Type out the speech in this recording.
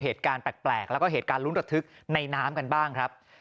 เหตุการณ์แปลกแล้วก็เหตุการณ์ลุ้นระทึกในน้ำกันบ้างครับ